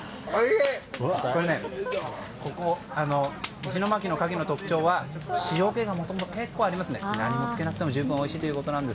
石巻のカキの特徴は塩気がもともと結構ありますので何もつけなくてもおいしいということです。